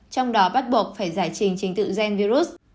trong đó bắt buộc phải giải trình trình tự gen virus